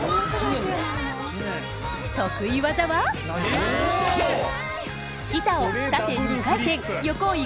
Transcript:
得意技は板を縦２回転横１